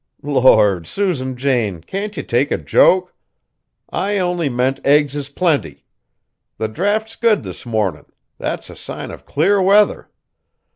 "Lord! Susan Jane, can't ye take a joke? I only meant eggs is plenty. The draught's good this mornin'; that's a sign of clear weather.